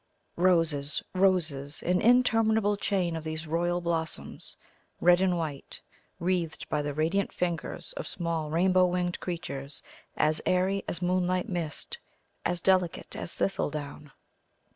Roses, roses! An interminable chain of these royal blossoms, red and white, wreathed by the radiant fingers of small rainbow winged creatures as airy as moonlight mist, as delicate as thistledown!